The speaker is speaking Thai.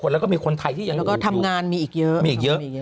แล้วก็ทำงานมีอีกเยอะ